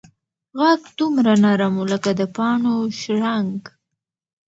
غږ دومره نرم و لکه د پاڼو شرنګ.